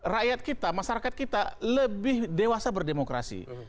rakyat kita masyarakat kita lebih dewasa berdemokrasi